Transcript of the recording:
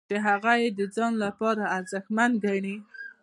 چې هغه یې د ځان لپاره ارزښتمن ګڼي.